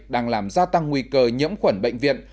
đang làm gia tăng nguy cơ nhiễm khuẩn bệnh viện